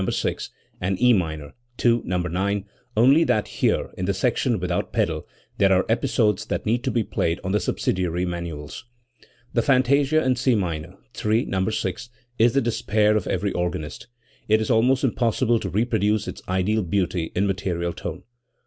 6) and' E minor (II, No, 9), only that here, in the section without pedal, there are episodes that need to be played on the subsidiary manuals. The fantasia in C minor (III, No. 6) is the despair of every organist. It is almost impossible to reproduce its ideal beauty in material tone.